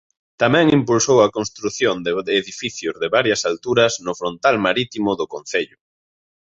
Tamén impulsou a construción de edificios de varias alturas no frontal marítimo do concello.